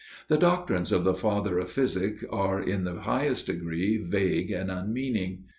The doctrines of the father of physic were in the highest degree vague and unmeaning.